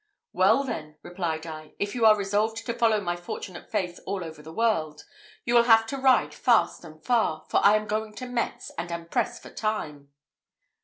"Well, then," replied I, "if you are resolved to follow my fortunate face all over the world, you will have to ride fast and far, for I am going to Metz, and am pressed for time."